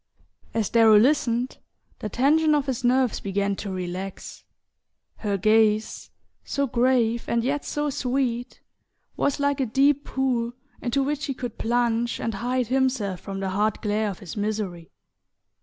As Darrow listened, the tension of his nerves began to relax. Her gaze, so grave and yet so sweet, was like a deep pool into which he could plunge and hide himself from the hard glare of his misery.